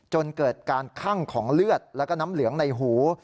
จนเกิดการคั่งของเลือดแล้วก็น้ำเหลืองในหู